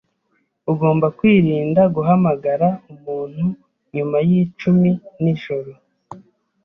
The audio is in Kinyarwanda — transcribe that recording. Ugomba kwirinda guhamagara umuntu nyuma yicumi nijoro.